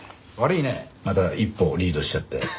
悪いねまた一歩リードしちゃって。